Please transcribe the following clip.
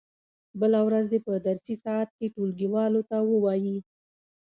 بله ورځ دې په درسي ساعت کې ټولګیوالو ته و وایي.